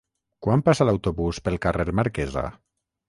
Quan passa l'autobús pel carrer Marquesa?